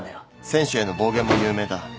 選手への暴言も有名だ。